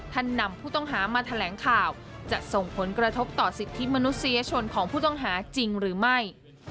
นำผู้ต้องหามาแถลงข่าวจะส่งผลกระทบต่อสิทธิมนุษยชนของผู้ต้องหาจริงหรือไม่